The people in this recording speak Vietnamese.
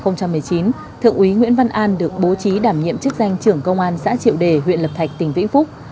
năm hai nghìn một mươi chín thượng úy nguyễn văn an được bố trí đảm nhiệm chức danh trưởng công an xã triệu đề huyện lập thạch tỉnh vĩnh phúc